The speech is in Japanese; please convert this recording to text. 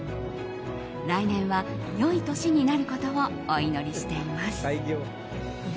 来年は良い年になることをお祈りしています。